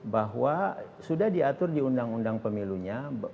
bahwa sudah diatur di undang undang pemilunya